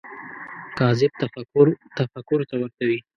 کاذب تفکر تفکر ته ورته وي